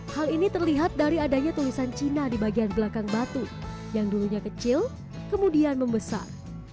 hal ini terlihat dari adanya tulisan cina di bagian belakang batu yang dulunya kecil kemudian membesar